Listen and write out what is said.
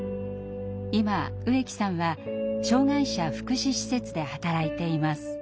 今植木さんは障害者福祉施設で働いています。